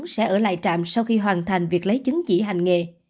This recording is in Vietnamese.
sẽ ở lại trạm sau khi hoàn thành việc lấy chứng chỉ hành nghề